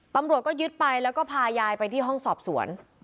ตำรวจก็ยึดไปแล้วก็พายายไปที่ห้องสอบสวน